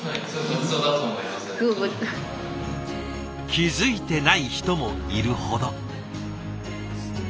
気付いてない人もいるほど。